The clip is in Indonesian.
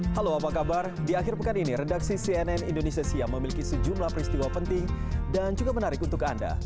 halo apa kabar di akhir pekan ini redaksi cnn indonesia siang memiliki sejumlah peristiwa penting dan juga menarik untuk anda